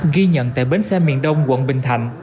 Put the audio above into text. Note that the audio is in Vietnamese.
ghi nhận tại bến xe miền đông quận bình thạnh